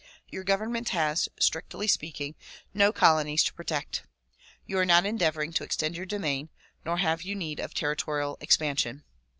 Your government has, strictly speaking, no colonies to protect. You are not endeavoring to extend your domain nor have you need of territorial expansion.